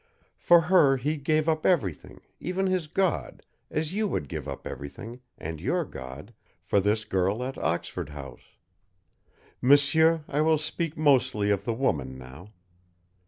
For her he gave up everything, even his God as you would give up everything and your God for this girl at Oxford House. M'sieur, I will speak mostly of the woman now.